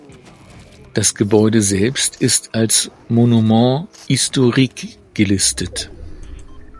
Das Gebäude selbst ist als "Monument historique" gelistet.